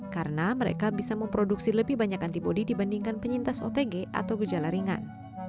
karena mereka bisa memproduksi lebih banyak antibody dibandingkan penyintas otg atau gejala ringan